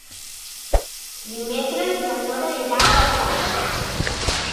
Dimecres na Nora irà a la platja.